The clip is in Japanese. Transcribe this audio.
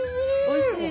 おいしい？